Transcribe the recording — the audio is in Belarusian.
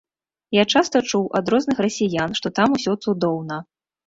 Я часта чуў ад розных расіян, што там ўсё цудоўна.